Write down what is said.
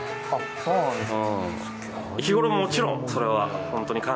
そうなんですね。